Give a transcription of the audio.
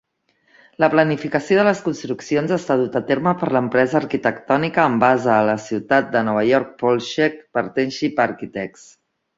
La planificació de les construccions està duta a terme per l'empresa arquitectònica amb base a la ciutat de Nova York Polshek Partnership Architects.